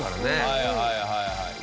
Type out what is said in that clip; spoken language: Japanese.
はいはいはいはい。